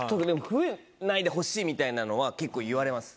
増えないでほしいみたいなのは結構言われます。